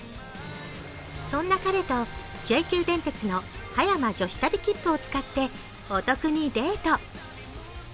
そんな彼と京急電鉄の葉山女子旅きっぷを使ってお得にデート。